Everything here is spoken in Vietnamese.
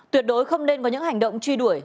tuyệt đối không nên có những hành động truy đuổi